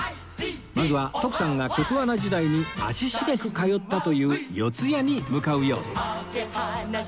まずは徳さんが局アナ時代に足しげく通ったという四谷に向かうようです